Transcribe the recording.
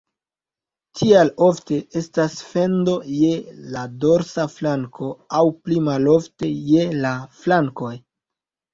Tial ofte estas fendo je la dorsa flanko aŭ pli malofte je la flankoj.